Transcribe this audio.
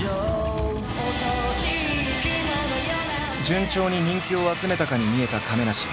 順調に人気を集めたかに見えた亀梨。